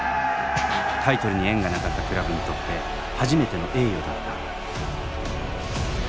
タイトルに縁がなかったクラブにとって初めての栄誉だった。